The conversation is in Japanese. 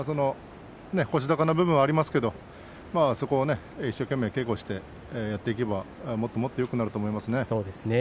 腰高の部分がありますけれどもそこを一生懸命、稽古してやっていけばもっともっとよくなると思いますね。